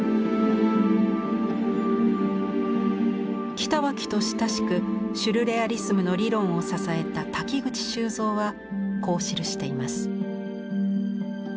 北脇と親しくシュルレアリスムの理論を支えた瀧口修造はこう記しています。